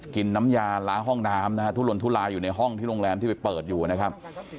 กินน้ำยาล้างห้องน้ำนะฮะทุลนทุลายอยู่ในห้องที่โรงแรมที่ไปเปิดอยู่นะครับ